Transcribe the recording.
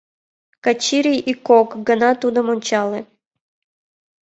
Качырий ик-кок гана тудым ончале.